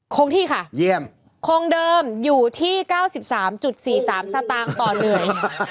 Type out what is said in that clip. คงที่ค่ะเยี่ยมคงเดิมอยู่ที่๙๓๔๓สตางค์ต่อเหนื่อย